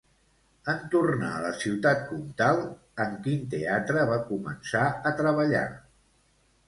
En tornar a la Ciutat Comtal, en quin teatre va començar a treballar?